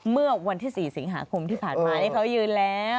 เมื่อวันที่๔สิงหาคมที่ผ่านมานี่เขายืนแล้ว